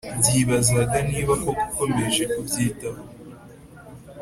byibazaga niba koko ukomeje kubyitaho